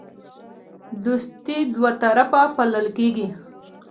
دوستي دوطرفه پالل کیږي